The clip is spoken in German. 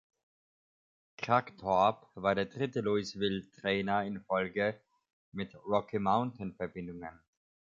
Kragthorpe war der dritte Louisville-Trainer in Folge mit Rocky Mountain-Verbindungen.